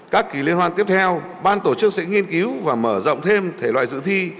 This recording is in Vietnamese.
các kỳ liên hoan tiếp theo ban tổ chức sẽ nghiên cứu và mở rộng thêm thể loại dự thi